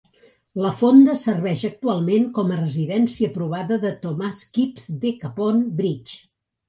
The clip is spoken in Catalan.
La fonda serveix actualment com a residència provada de Thomas Kipps de Capon Bridge.